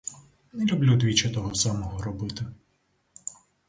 Не люблю двічі того самого робить.